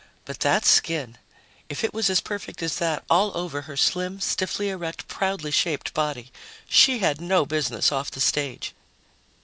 But that skin! If it was as perfect as that all over her slim, stiffly erect, proudly shaped body, she had no business off the stage!